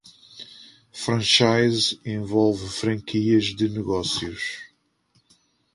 Franchise envolve franquias de negócios.